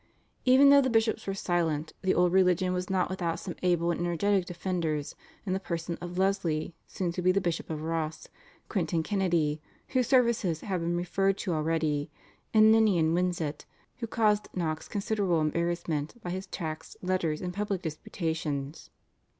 Even though the bishops were silent the old religion was not without some able and energetic defenders in the person of Leslie, soon to be the Bishop of Ross, Quintin Kennedy whose services have been referred to already, and Ninian Winzet, who caused Knox considerable embarrassment by his tracts, letters, and public disputations.